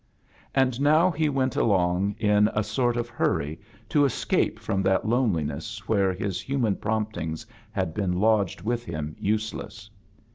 And now he went along in a sort of hurry to escape from that lone liness where his human promptings had been lodged with him useless.